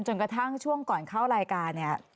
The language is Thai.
จนกระทั่งช่วงก่อนเข้ารายการ